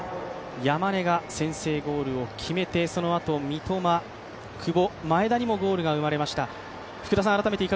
山根が先制ゴールを決めて、そのあと三笘、久保、前田にもゴールが生まれました。